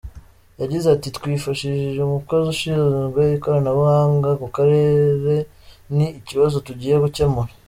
Yagize ati “Twifashishije umukozi ushinzwe ikoranabuhanga ku karere, ni ikibazo tugiye gukemura.